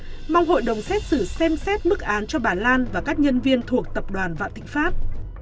trong đó mong hội đồng xét xử xem xét mức án cho bà lan và các nhân viên thuộc tập đoàn vạn thịnh pháp